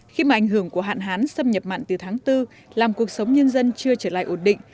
khi mà ảnh hưởng của hạn hán xâm nhập mặn từ tháng bốn làm cuộc sống nhân dân chưa trở lại ổn định